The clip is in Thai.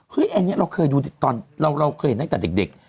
คืออันนี้เราเคยอยู่ตอนเราเคยเห็นนั้นให้ตั้งแต่เด็ก